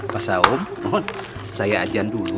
pasal om saya ajan dulu